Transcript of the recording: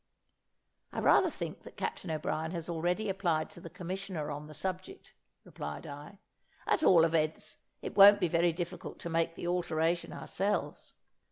"I rather think that Captain O'Brien has already applied to the Commissioner on the subject," replied I; "at all events, it won't be very difficult to make the alteration ourselves."